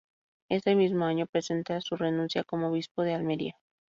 Ese mismo año presenta su renuncia como obispo de Almería.